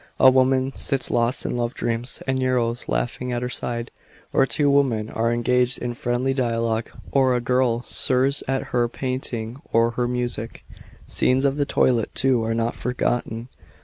" A woman sits lost in love dreams, with Eros leaning at her side; or two women are en gaged in friendly dialogue ; or a girl sirs at her painting or her music. Scenes of the toilet, too, are not forgotten.